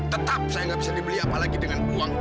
tetap saya gak bisa dibeli apalagi dengan uang prabowo jaya